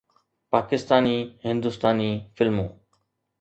پاڪستاني، هندستاني فلمون